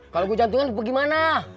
kalau gue jantungan gue pergi mana